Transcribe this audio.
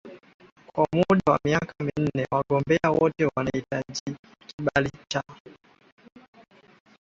kwa muda wa miaka minne Wagombea wote wanahitaji kibali cha